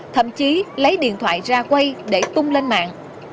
thậm chí lấy điện thoại ra quay để tung lên mạng